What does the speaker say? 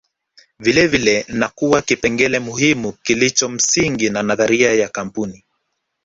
vilevile na kuwa kipengele muhimu kilicho msingi wa nadharia ya kampuni